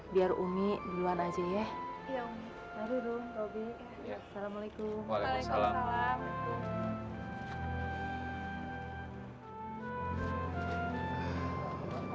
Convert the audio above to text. biar umi duluan aja ya ya assalamualaikum waalaikumsalam